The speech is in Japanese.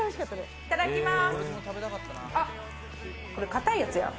いただきます。